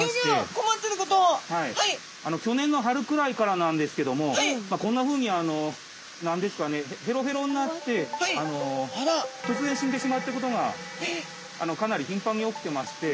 去年の春くらいからなんですけどもこんなふうに何ですかねへろへろになって突然死んでしまってることがかなりひんぱんに起きてまして。